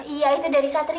iya itu dari satria